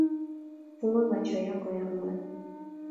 Fungua macho yako, young man